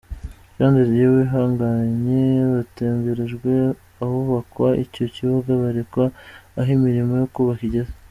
Jean de Dieu Uwihanganye, batemberejwe ahubakwa icyo kibuga, berekwa aho imirimo yo kubaka igeze.